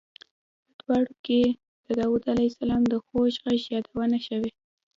په دواړو کې د داود علیه السلام د خوږ غږ یادونه شوې.